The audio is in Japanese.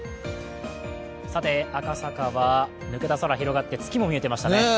赤坂は抜けた空が広がって、月も見えていましたね。